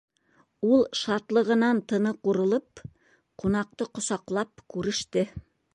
— Ул, шатлығынан тыны ҡурылып, ҡунаҡты ҡосаҡлап күреште.